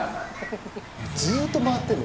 ずっと回ってんの？